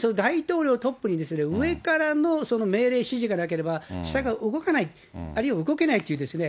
まさに大統領トップに上からの命令指示がなければ、下が動かない、あるいは動けないっていうですね、